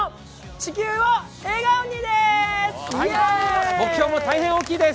地球を笑顔に！です。